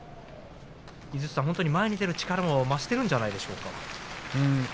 井筒さん、前に出る力が増しているんじゃないでしょうか。